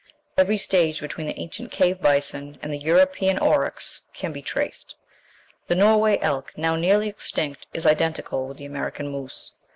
"Every stage between the ancient cave bison and the European aurochs can be traced." The Norway elk, now nearly extinct, is identical with the American moose.